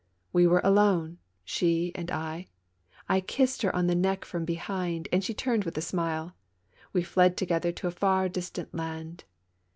We were alone — she and I ; I kissed her on the neck frona behind, and she turned with a smile; we fled together to a far distant land.